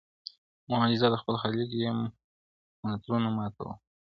• معجزه د خپل خالق یم، منترونه ماتومه -